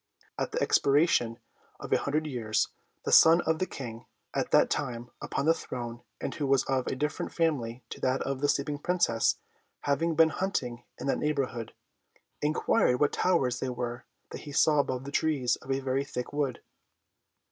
At the expiration of an hundred years, the son of the King at that time upon the throne, and who was of a different family to that of the sleeping Princess, having been hunting in that neighbourhood, inquired what towers they were that he saw above the trees of a very thick wood.